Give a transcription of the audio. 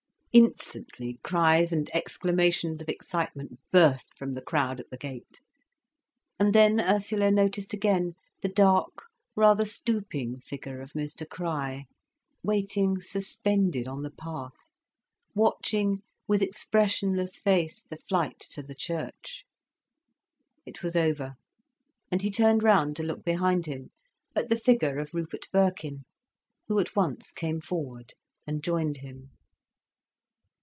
Instantly cries and exclamations of excitement burst from the crowd at the gate. And then Ursula noticed again the dark, rather stooping figure of Mr Crich, waiting suspended on the path, watching with expressionless face the flight to the church. It was over, and he turned round to look behind him, at the figure of Rupert Birkin, who at once came forward and joined him.